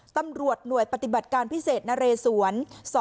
ตำรวจหน่วยปฏิบัติการพิเศษนเรศวร